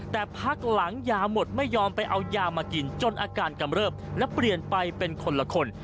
แต่พักหลังยาหมดไม่ยอมไปเอายามากินจนอาการกำเริบและเปลี่ยนไปเป็นคนละคน